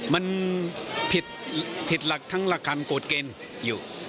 มันพิธีรักษ์ทั้งละการโกรธเกณฑ์อยู่